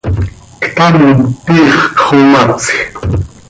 Ctam, tiix xomatsj.